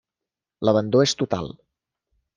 L'abandó és total.